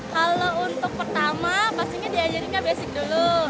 kalau untuk pertama pastinya diajarinnya basic dulu